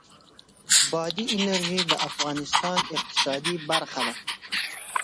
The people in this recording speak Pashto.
بادي انرژي د افغانستان د اقتصاد برخه ده.